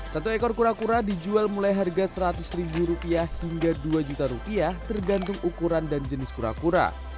satu ekor kura kura dijual mulai harga seratus ribu rupiah hingga dua juta rupiah tergantung ukuran dan jenis kura kura